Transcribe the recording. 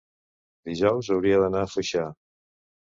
dijous hauria d'anar a Foixà.